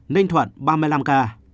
ninh thuận ba mươi năm ca